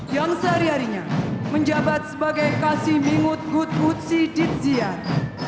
yang sehari harinya menjabat sebagai kasih mingut gut gutsi ditjian